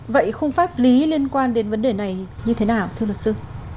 vậy khung pháp lý liên quan đến vấn đề này như thế nào thưa luật sư